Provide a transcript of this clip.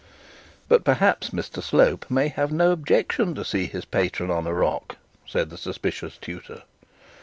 'But perhaps Mr Slope may have no objection to see his patron on a rock,' said the suspicious tutor.